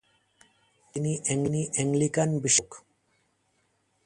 তিনি অ্যাংলিকান বিশ্বাসের লোক।